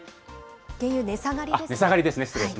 原油値下がりですね。